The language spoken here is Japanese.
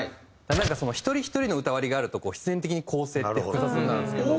なんか一人ひとりの歌割りがあると必然的に構成って複雑になるんですけど。